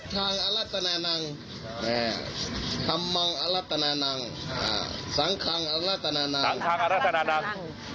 ทางอรัตนานังธรรมมังอรัตนานังสังคังคังกรัตนาดัง